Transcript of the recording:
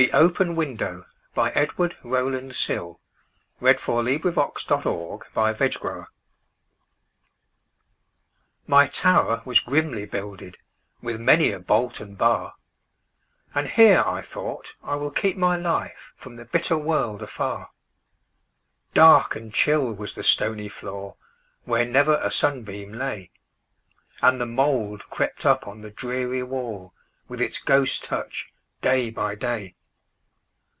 1912. Edward Rowland Sill 1841–1887 Edward Rowland Sill 207 The Open Window MY tower was grimly builded, With many a bolt and bar,"And here," I thought, "I will keep my lifeFrom the bitter world afar."Dark and chill was the stony floor, Where never a sunbeam lay, And the mould crept up on the dreary wall, With its ghost touch, day by day.